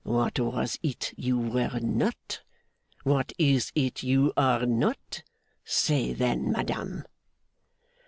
What was it you were not? What is it you are not? Say then, madame!